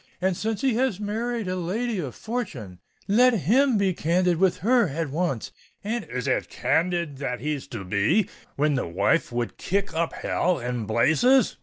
And since he has married a lady of fortune, let him be candid with her at once; and——" "Is it candid that he's to be, when the wife would kick up hell and blazes?"